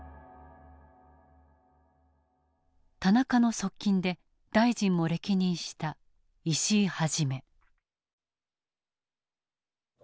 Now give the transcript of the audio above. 田中の側近で大臣も歴任した石井一。